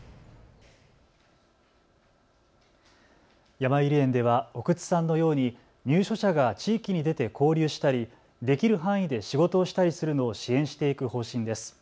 やまゆり園では奥津さんのように入所者が地域に出て交流したりできる範囲で仕事をしたりするのを支援していく方針です。